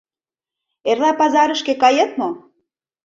Эрла пазарышке кает мо?